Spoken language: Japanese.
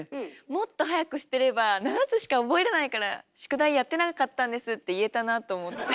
もっと早く知ってれば「７つしか覚えれないから宿題やってなかったんです」って言えたなと思って。